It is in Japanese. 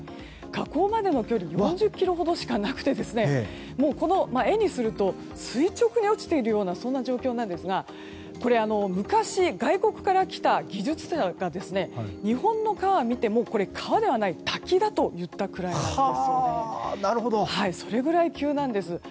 河口までの距離は４０ｋｍほどしかなくて絵にすると垂直に落ちているような状況なんですが昔、外国から来た技術者が日本の川を見ても川ではない、滝だと言ったくらいなんですよね。